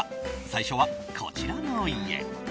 最初はこちらの家。